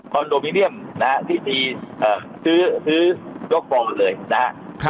คอนโดมิเนียมนะฮะที่ทีเอ่อซื้อซื้อยกบองเลยนะฮะครับ